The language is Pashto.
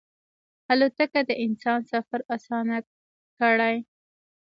الوتکه د انسان سفر اسانه کړی.